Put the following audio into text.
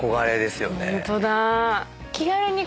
ホントだ。